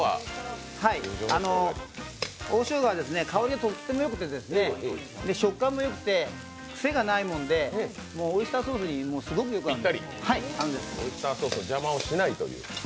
大しょうがは香りがとってもよくて食感もよくて、クセがないものでオイスターソースにすごくよく合うんです。